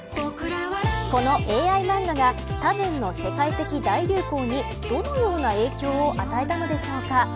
ＡＩマンガがたぶんの世界的大流行にどのような影響を与えたのでしょうか。